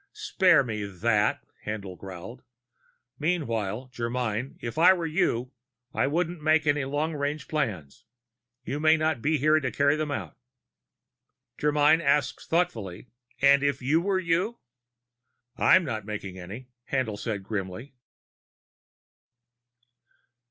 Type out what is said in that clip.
"Spare me that," Haendl growled. "Meanwhile, Germyn, if I were you, I wouldn't make any long range plans. You may not be here to carry them out." Germyn asked thoughtfully: "And if you were you?" "I'm not making any," Haendl said grimly.